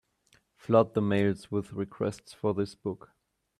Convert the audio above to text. Flood the mails with requests for this book.